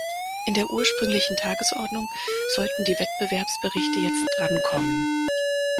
In der ursprünglichen Tagesordnung sollten die Wettbewerbsberichte jetzt drankommen.